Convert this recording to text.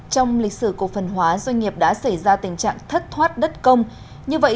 trong lịch sử cổ phần hóa doanh nghiệp đã xảy ra tình trạng thất thoát đất công như vậy